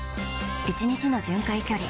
１日の巡回距離